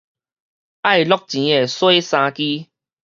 愛橐錢的洗衫機